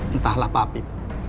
entahlah pak apip